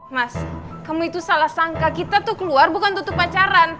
mas kamu itu salah sangka kita tuh keluar bukan tutup pacaran